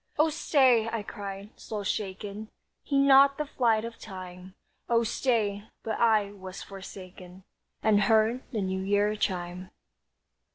"Oh, stay," I cried, soul shaken, "Heed not the flight of time, Oh stay," But I was forsaken, And heard the New Year chime.